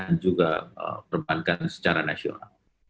dan juga perbankan secara nasional